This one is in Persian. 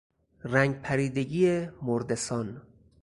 رنگ پریدگی مردهسان